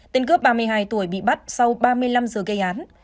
tên cướp ba mươi hai tuổi bị bắt sau ba mươi năm giờ gây án